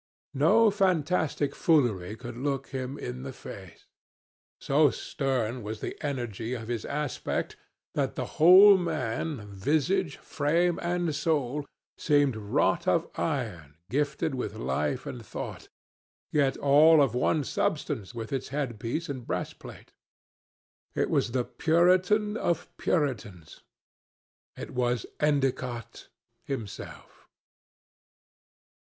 No fantastic foolery could look him in the face. So stern was the energy of his aspect that the whole man, visage, frame and soul, seemed wrought of iron gifted with life and thought, yet all of one substance with his headpiece and breastplate. It was the Puritan of Puritans: it was Endicott himself.